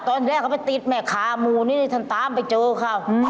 ตอนแรกเขาไปติดแม่ขามูนิดนึงฉันตามไปเจอเขา